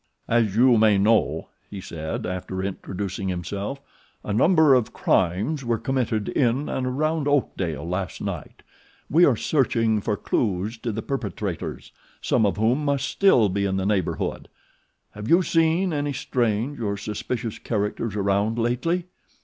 "As you may know," he said, after introducing himself, "a number of crimes were committed in and around Oakdale last night. We are searching for clews to the perpetrators, some of whom must still be in the neighborhood. Have you seen any strange or suspicious characters around lately?"